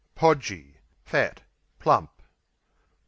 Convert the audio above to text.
Podgy Fat; plump.